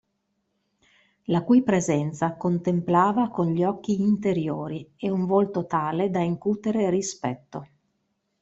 La cui presenza contemplava con gli occhi interiori e un volto tale da incutere rispetto.